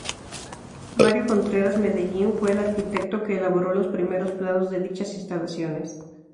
Mario Contreras Medellín fue el arquitecto que elaboró los primeros planos de dichas instalaciones.